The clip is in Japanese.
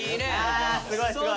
あすごいすごい。